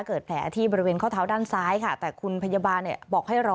เกิดแผลที่บริเวณข้อเท้าด้านซ้ายค่ะแต่คุณพยาบาลเนี่ยบอกให้รอ